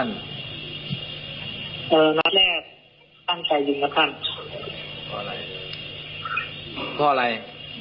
เอ่อนัดแรกตั้งใจยิงนะครับท่านเพราะอะไร